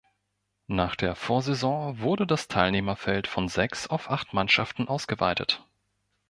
Nach der Vorsaison wurde das Teilnehmerfeld von sechs auf acht Mannschaften ausgeweitet.